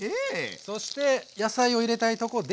そして野菜を入れたいとこですが。